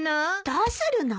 どうするの？